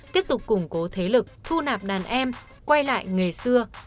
tiếp tục củng cố thế lực thu nạp đàn em quay lại nghề xưa